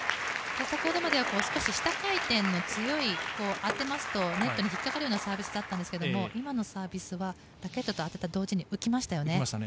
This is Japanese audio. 先ほどまでは、少し下回転の強い、当てますとネットに引っかかるようなサービスだったんですけど今のサービスはラケットと当たったと同時に浮きましたよね。